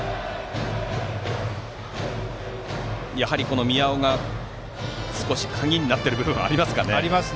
やはり宮尾が少し鍵になっている部分はありますね。